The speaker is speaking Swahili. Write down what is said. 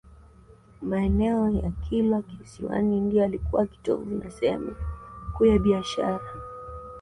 Maeneo ya Kilwa Kisiwani ndio yalikuwa kitovu na sehemu kuu ya biashara